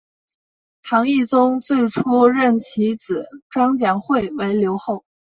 唐懿宗最初任其子张简会为留后。